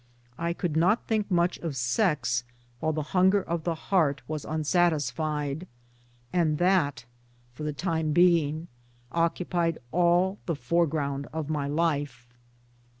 I could not think much of sex while the hunger of the heart was unsatisfied and that for the time being occupied all the foreground of my life.